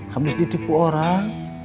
habis ditipu orang